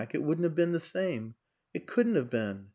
. it wouldn't have been the same. It couldn't have been.